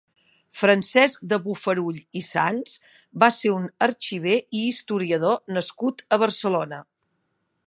Francesc de Bofarull i Sans va ser un arxiver i historiador nascut a Barcelona.